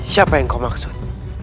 siapa yang kau maksud